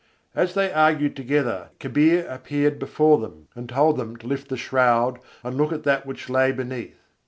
As they argued together, Kabîr appeared before them, and told them to lift the shroud and look at that which lay beneath.